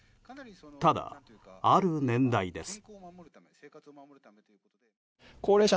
ただ、ある年代です。